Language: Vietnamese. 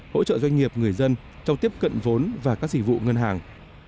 hỗ trợ doanh nghiệp người dân trong tiếp cận vốn và các dịch vụ ngân hàng